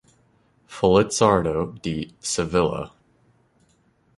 Felizardo D. Sevilla.